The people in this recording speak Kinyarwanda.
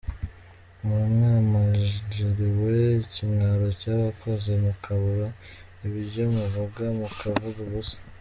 Muba mwamanjiriwe, ikimwaro cyabakoze mukabura ibyo muvuga mukavuga ubusa.